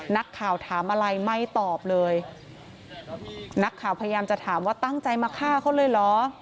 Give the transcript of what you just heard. นักข่าวถามอะไรไม่ตอบเลยนักข่าวพยายามจะถามว่าตั้งใจมาฆ่าเขาเลยเหรอ